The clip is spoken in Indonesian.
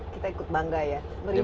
kita ikut bangga ya